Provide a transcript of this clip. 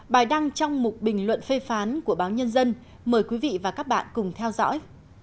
bài đăng trong một bình luận phê phán của báo nhân dân mời quý vị và các bạn cùng theo dõi